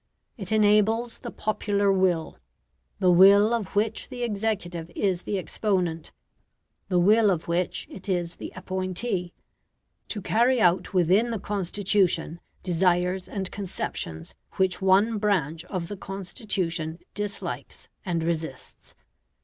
It enables the popular will the will of which the executive is the exponent, the will of which it is the appointee to carry out within the Constitution desires and conceptions which one branch of the Constitution dislikes and resists.